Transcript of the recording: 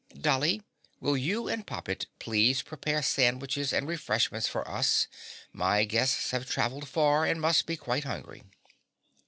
Dolly, will you and Poppet please prepare sandwiches and refreshments for us my guests have traveled far and must be quite hungry."